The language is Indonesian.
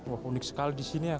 wah unik sekali di sini ya